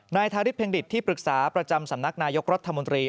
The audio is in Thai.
ทาริสเพ็งดิตที่ปรึกษาประจำสำนักนายกรัฐมนตรี